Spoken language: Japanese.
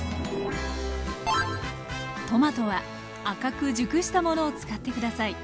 トマトは赤く熟したものを使って下さい。